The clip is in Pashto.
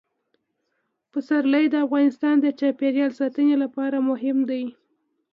پسرلی د افغانستان د چاپیریال ساتنې لپاره مهم دي.